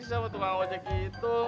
siapa tuh mawanya kayak gitu